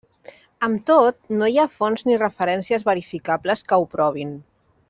Amb tot, no hi ha fonts ni referències verificables que ho provin.